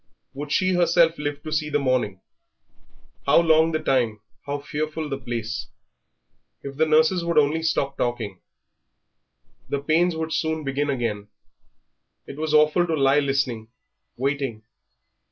Would she herself live to see the morning? How long the time, how fearful the place! If the nurses would only stop talking.... The pains would soon begin again.... It was awful to lie listening, waiting.